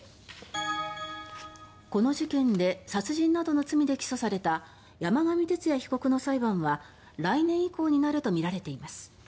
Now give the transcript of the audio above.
この事件で殺人などの罪で起訴された山上徹也被告の裁判は来年以降になるとみられています。